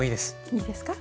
いいですか？